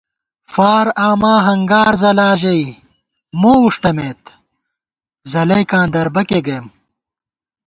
فار آما ہنگار ځلا ژَئی مو وُݭٹمېت ځلَئیکاں دربَکے گئیم